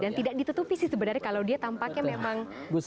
dan tidak ditutupi sih sebenarnya kalau dia tampaknya memang